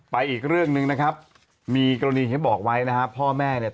อีกเรื่องหนึ่งนะครับมีกรณีที่บอกไว้นะฮะพ่อแม่เนี่ย